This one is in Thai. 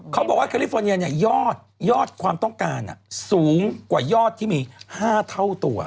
เขาบอกว่าแคลิฟอร์เนียเนี่ยยอดความต้องการสูงกว่ายอดที่มี๕เท่าตัว